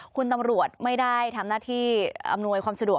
คุณตำรวจไม่ได้ทำหน้าที่อำนวยความสะดวก